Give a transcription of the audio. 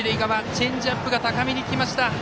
チェンジアップが高めにきました。